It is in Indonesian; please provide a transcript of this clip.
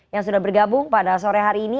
yang sudah bergabung pada sore hari ini